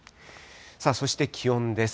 そして気温です。